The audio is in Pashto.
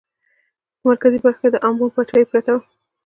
په مرکزي برخه کې د امبون پاچاهي پرته وه.